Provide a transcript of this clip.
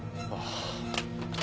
ああ。